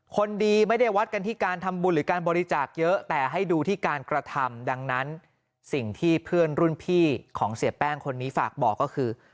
คนดีไม่ได้วัดกันที่การทำบุญหรือการบริจาคเยอะแต่ให้ดูที่การกระทำดังนั้นสิ่งที่เพื่อนรุ่นพี่ของเสียแป้งคนนี้ฝากบอกก็คือ